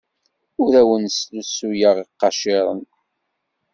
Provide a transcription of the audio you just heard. Ur awen-slusuyeɣ iqaciren.